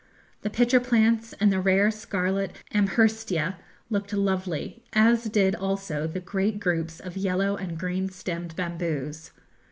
The pitcher plants and the rare scarlet amherstia looked lovely, as did also the great groups of yellow and green stemmed bamboos.